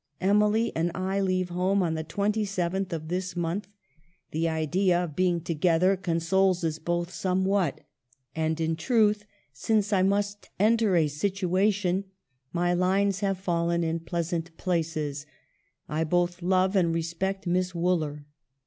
Emily and I leave home on the 27th of this month ; the idea of being to 74 EMILY BRONTE. gether consoles us both somewhat, and, truth, since I must enter a situation, ' My lines have fallen in pleasant places,' I both love and re spect Miss Wooler."